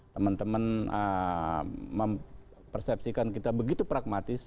teman teman mempersepsikan kita begitu pragmatis